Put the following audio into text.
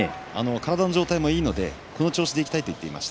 体の状態もいいので、この調子でいきたいと言っていました。